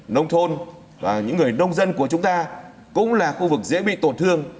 nông thôn và những người nông dân của chúng ta cũng là khu vực dễ bị tổn thương